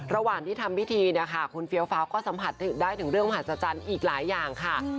ระหว่างที่ทำพิธีเนี่ยค่ะคุณเฟี้ยวฟ้าก็สัมผัสได้ถึงเรื่องมหัศจรรย์อีกหลายอย่างค่ะ